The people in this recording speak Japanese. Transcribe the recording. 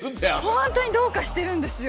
本当にどうかしてるんですよ。